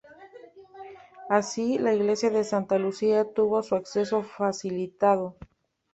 Así, la iglesia de Santa Lucía tuvo su acceso facilitado.